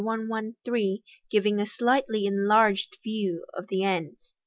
1 13, giving a slightly enlarged view of the ends.)